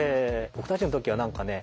僕たちの時は何かね